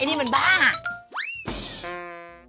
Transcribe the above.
นี่มันบ้าอ่ะ